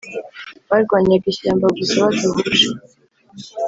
barwanyaga ishyamba gusa badahuje!